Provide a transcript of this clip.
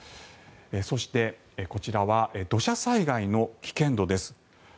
そして、こちらは土砂災害の危険度です。